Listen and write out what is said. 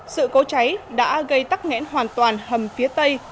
sự cố cháy đã gây tắc nghẽn hoàn toàn hầm phía tây